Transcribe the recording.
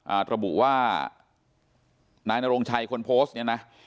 ระบุว่านายนโรงชัยคนโพสต์เนี่ยนะ